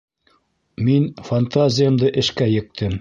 Мин фантазиямды эшкә ектем.